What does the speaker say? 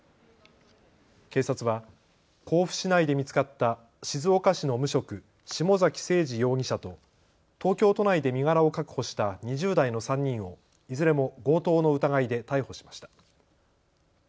警察は甲府市内で見つかった静岡市の無職、下崎星児容疑者と東京都内で身柄を確保した２０代の３人をいずれも強盗の疑いで逮捕しました。